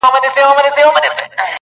د اخترونو د جشنونو شالمار خبري-